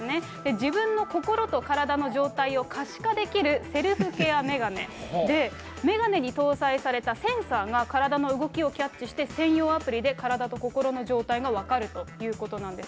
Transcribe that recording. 自分の心と体の状態を可視化できるセルフケア眼鏡で、眼鏡に搭載されたセンサーが体の動きをキャッチして、専用アプリで体と心の状態が分かるということなんです。